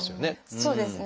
そうですね。